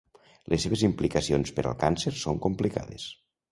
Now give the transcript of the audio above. Les seves implicacions per al càncer són complicades.